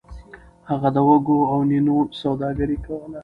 هغه د وږو او نینو سوداګري کوله.